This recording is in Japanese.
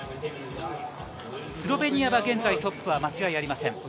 スロベニアの現在トップは間違いありません。